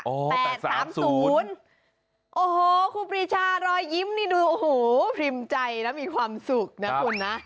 โอ้โหครูปรีชารอยยิ้มนี่ดูโอ้โหพริมใจแล้วมีความสุขนะคุณนะ